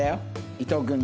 伊藤君に。